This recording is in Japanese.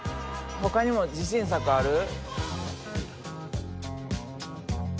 ほかにも自信作ある？